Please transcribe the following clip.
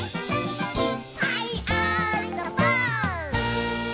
「いっぱいあーそぼ」